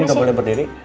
ini udah boleh berdiri